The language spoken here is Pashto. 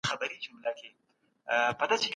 افغان نارینه د نړیوالو بشري حقونو ملاتړ نه لري.